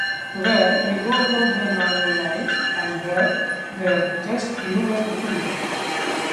where they go about their normal lives and there their just human too